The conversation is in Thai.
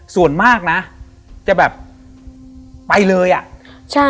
ส่วนมากนะจะแบบไปเลยอ่ะใช่